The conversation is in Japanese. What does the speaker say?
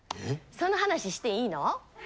その話していいの？